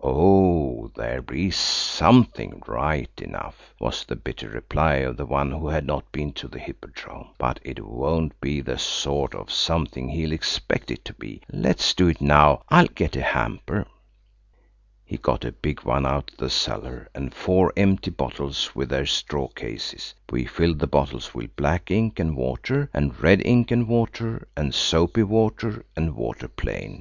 "Oh, there'll be something right enough," was the bitter reply of the one who had not been to the Hippodrome, "but it won't be the sort of something he'll expect it to be. Let's do it now. I'll get a hamper." IT WAS RATHER DIFFICULT TO GET ANYTHING THE SHAPE OF A TURKEY. He got a big one out of the cellar and four empty bottles with their straw cases. We filled the bottles with black ink and water, and red ink and water, and soapy water, and water plain.